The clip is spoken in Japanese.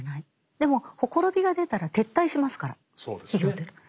でもほころびが出たら撤退しますから企業というのは。